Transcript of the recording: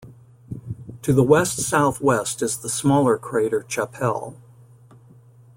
To the west-southwest is the smaller crater Chappell.